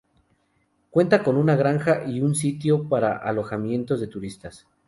Cuenta con una granja y un sitio para alojamientos de turistas.